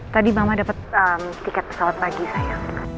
tadi mama dapet tiket pesawat pagi sayang